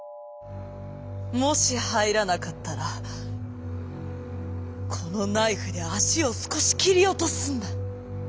「もしはいらなかったらこのナイフであしをすこしきりおとすんだ」。